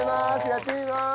やってみます。